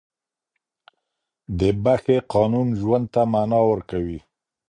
د بښې قانون ژوند ته معنا ورکوي.